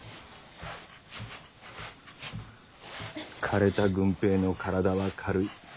かれた郡平の体は軽い。